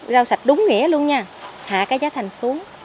rau sạch đúng nghĩa luôn nha thả cái giá thành xuống